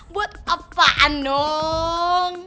buat apaan dong